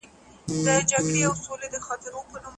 د سترګو تور مي در لېږم جانانه هېر مي نه کې